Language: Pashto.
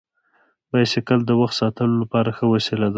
بایسکل د وخت ساتلو لپاره ښه وسیله ده.